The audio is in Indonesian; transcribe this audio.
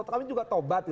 kami juga tobat